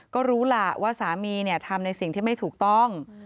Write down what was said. ก็รู้ล่ะว่าสามีทำในสิ่งที่ไม่ถูกต้อง